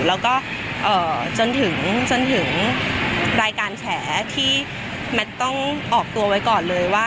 และจนถึงรายการแฉะที่แมทต้องออกตัวไว้ก่อนเลย